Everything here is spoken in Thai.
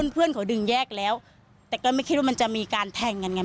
เพื่อนเขาดึงแยกแล้วแต่ก็ไม่คิดว่ามันจะมีการแทงกันไง